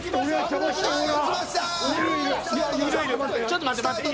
ちょっと待って待って。